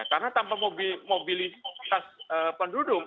karena tanpa mobilitas penduduk